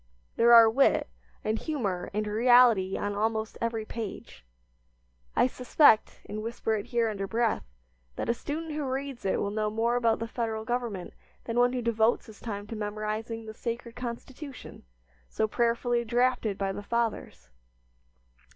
There are wit, and humor, and reality on almost every page. I suspect, and whisper it here under breath, that a student who reads it will know more about the Federal Government than one who devotes his time to memorizing the sacred Constitution, so prayerfully drafted by the Fathers.